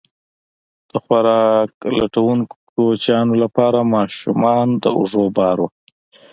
د خوراک لټونکو کوچیانو لپاره ماشومان د اوږو بار وو.